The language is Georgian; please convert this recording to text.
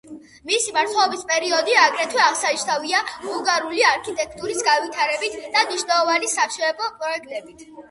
მისი მმართველობის პერიოდი აგრეთვე აღსანიშნავია ბულგარული არქიტექტურის განვითარებით და მნიშვნელოვანი სამშენებლო პროექტებით.